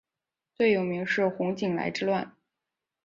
最有名是洪景来之乱。